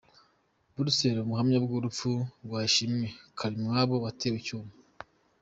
Buruseli Ubuhamya ku rupfu rwa Ishimwe Karimwabo watewe icyuma